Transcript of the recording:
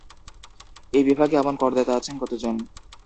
এই বিভাগে এমন করদাতা আছেন কত জন?